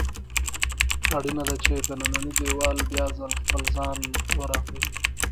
اړینه ده چې دننی دېوال بیا ځل خپل ځان ورغوي.